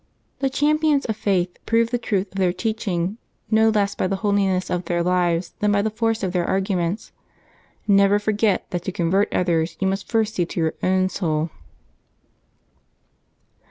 — The champions of faith prove the truth of their teaching no less by the holiness of their lives than br the force of their arguments. Never forget that to con vert others you must first see to your own soul.